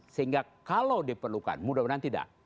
sehingga kalau diperlukan mudah mudahan tidak